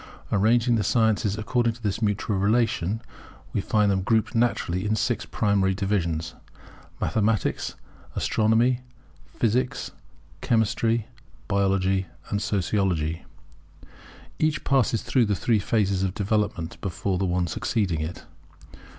Arranging the sciences according to this mutual relation, we find them grouped naturally in six primary divisions; Mathematics, Astronomy, Physics, Chemistry, Biology, and Sociology. Each passes through the three phases of developments before the one succeeding it.